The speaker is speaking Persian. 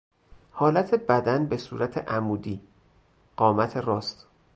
حالت بدن به صورت عمودی، قامت راست